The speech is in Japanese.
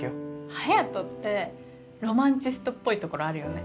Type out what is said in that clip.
隼斗ってロマンチストっぽいところあるよね。